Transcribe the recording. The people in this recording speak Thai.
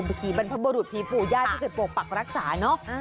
ผีบรรพบุรุษผีปู่ย่าที่คือโปรปรักษารักษาเนอะ